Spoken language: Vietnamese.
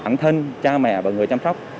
bản thân cha mẹ và người chăm sóc